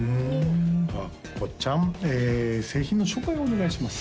十和子ちゃん製品の紹介をお願いします